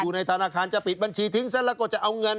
ในธนาคารจะปิดบัญชีทิ้งซะแล้วก็จะเอาเงิน